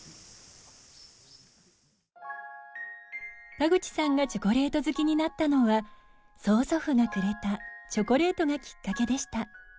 田口さんがチョコレート好きになったのは曽祖父がくれたチョコレートがきっかけでした。